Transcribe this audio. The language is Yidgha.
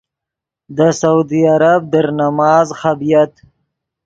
دے سعودی عرب در نماز خبییت۔